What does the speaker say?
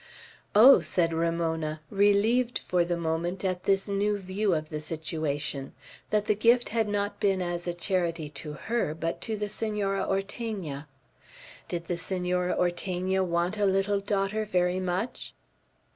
"Oh!" said Ramona, relieved, for the moment, at this new view of the situation, that the gift had been not as a charity to her, but to the Senora Ortegna. "Did the Senora Ortegna want a little daughter very much?"